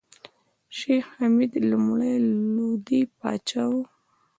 شېخ حمید لومړی لودي پاچا وو.